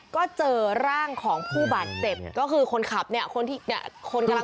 ก็เจอร่างของผู้บัดเจ็บก็คือคนขับคนที่กำลังช่วยอยู่